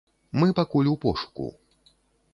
Мы пакуль у пошуку.